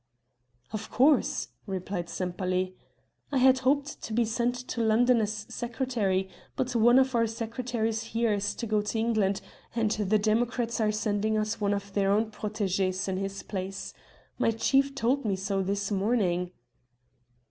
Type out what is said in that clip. "Of course," replied Sempaly. "I had hoped to be sent to London as secretary; but one of our secretaries here is to go to England, and the democrats are sending us one of their own protégés in his place. My chief told me so this morning."